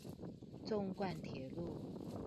縱貫鐵路